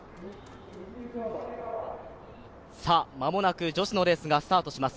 間もなく女子のレースがスタートします。